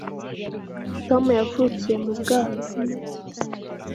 Tom yavukiye mu bwato